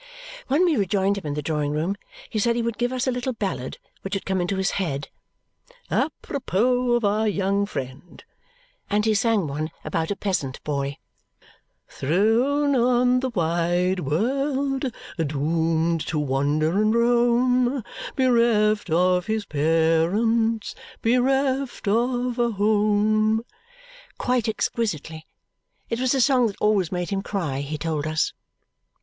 When we rejoined him in the drawing room he said he would give us a little ballad which had come into his head "apropos of our young friend," and he sang one about a peasant boy, "Thrown on the wide world, doomed to wander and roam, Bereft of his parents, bereft of a home." quite exquisitely. It was a song that always made him cry, he told us.